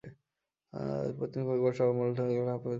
এরপর তিনি কয়েকবার সাভার মডেল থানায় গিয়েও মামলা লিপিবদ্ধ করাতে পারেননি।